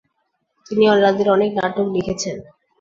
তিনি তাদের অনেক নাটক লিখেছেন।